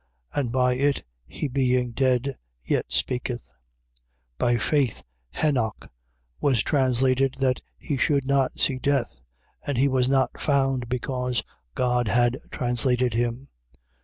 And by it he being dead yet speaketh. 11:5. By faith Henoch was translated that he should not see death: and he was not found because God had translated him.